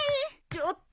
ちょっと。